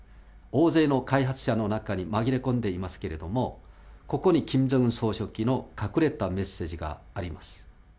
大勢の開発者の中に紛れ込んでいますけれども、ここにキム・ジョンウン総書記の隠れたメッセージがあります。